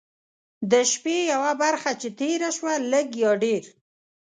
د شپې یوه برخه چې تېره شوه لږ یا ډېر.